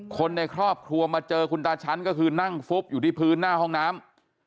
คนในครอบครัวมาเจอคุณตาชั้นก็คือนั่งฟุบอยู่ที่พื้นหน้าห้องน้ำ